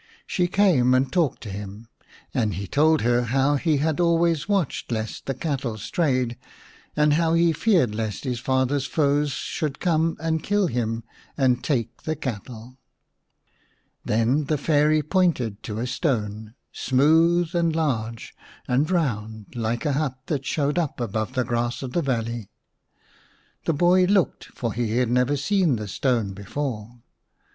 She came and talked to him, and he told her how he had always watched lest the cattle strayed, and how he feared lest his father's foes should come and kill him and take the cattle. 19 The King's Son H Then the Fairy pointed to a stone, smooth and large and round, like a hut that showed up above the grass of the valley. The boy looked, for he had never seen the stone before.